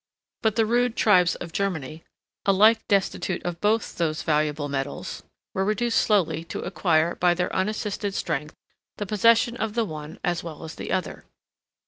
But the rude tribes of Germany, alike destitute of both those valuable metals, were reduced slowly to acquire, by their unassisted strength, the possession of the one as well as the other.